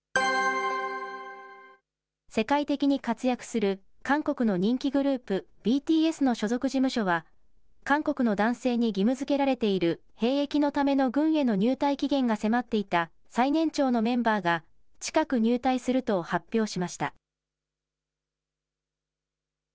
世界的に活躍する韓国の人気グループ、ＢＴＳの所属事務所は、韓国の男性に義務づけられている兵役のための軍への入隊期限が迫っていた最年長のメンバーが近く入隊すると発表しました。